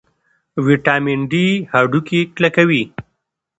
ویټامین ډي هډوکي کلکوي